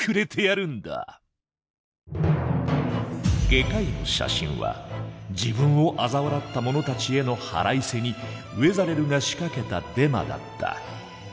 「外科医の写真」は自分をあざ笑った者たちへの腹いせにウェザレルが仕掛けたデマだった。